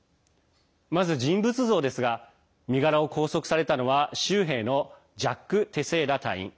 まず、人物像ですが身柄を拘束されたのは州兵のジャック・テシェイラ隊員。